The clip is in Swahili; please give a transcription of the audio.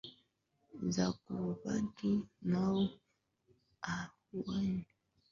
za Kibantu nao hawaoni Kiswahili ni lugha